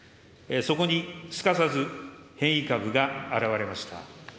そこにすかさず変異株が現れました。